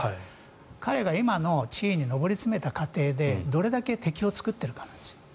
彼が今の地位に上り詰めた過程でどれだけ敵を作っているかなんですよ。